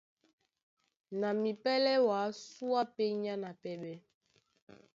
Na mipɛ́lɛ́ wǎ súe á pényá na pɛɓɛ.